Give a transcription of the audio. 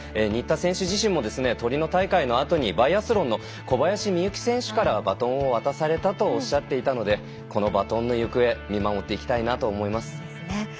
新田選手自身もトリノ大会のあとにバイアスロンの小林深雪選手からバトンを渡されたとおっしゃっていたのでこのバトンの行方見守っていきたいなと思います。